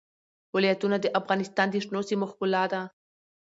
ولایتونه د افغانستان د شنو سیمو ښکلا ده.